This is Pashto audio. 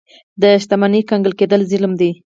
د شتمنۍ کنګل کېدل ظلم دی.